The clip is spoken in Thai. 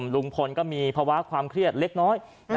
ลุงพลก็มีภาวะความเครียดเล็กน้อย